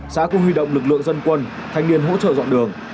xã cũng huy động lực lượng dân quân thanh niên hỗ trợ dọn đường